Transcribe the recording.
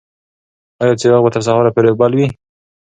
ایا څراغ به تر سهار پورې بل وي؟